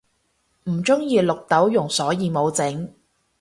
唔鍾意綠豆蓉所以無整